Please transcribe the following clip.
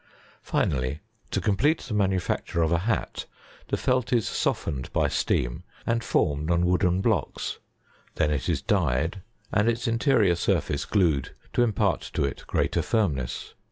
Finally, to complete the manufacture of a hat, the felt is softened by steam, and formed on wooden blocks ; then it is dyed, and its interior surface glued to impart to it greater n'rmness.